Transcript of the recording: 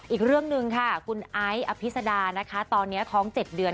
อีกเรื่องหนึ่งค่ะคุณไอซ์อภิษดานะคะตอนนี้ท้อง๗เดือน